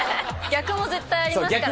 逆も絶対ありますからね。